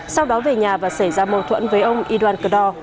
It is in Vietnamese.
sau đó về nhà và xảy ra mâu thuẫn với ông y doan cờ đo